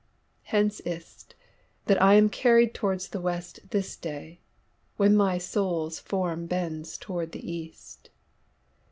Hence is't, that I am carryed towards the WestThis day, when my Soules forme bends toward the East.